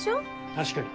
確かに。